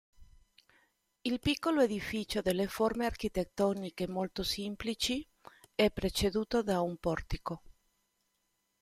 Il piccolo edificio, dalle forme architettoniche molto semplici, è preceduto da un portico.